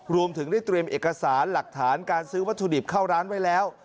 รวมถึงได้เตรียมเอกสารหลักฐานการซื้อวัตถุดิบเข้าร้านไว้แล้ว